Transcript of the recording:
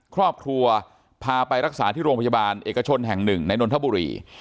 ครอบครัวพาไปรักษาที่โรงพยาบาลเอกชนแห่งหนึ่งในนนทบุรี